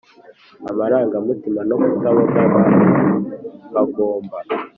amarangamutima no kutabogama bagomba